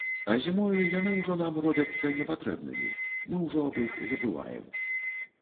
А зімою яны ўжо нам робяцца непатрэбнымі, мы ўжо аб іх забываем.